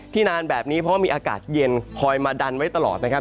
นานแบบนี้เพราะว่ามีอากาศเย็นคอยมาดันไว้ตลอดนะครับ